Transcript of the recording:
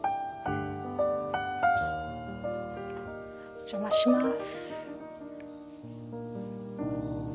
お邪魔します。